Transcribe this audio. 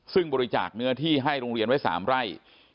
ซึ่งบริจาคเนื้อที่ให้โรงเรียนไว้๓ไร่